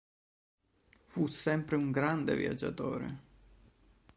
Fu sempre un grande viaggiatore.